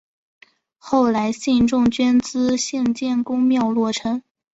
后来信众捐资兴建宫庙落成。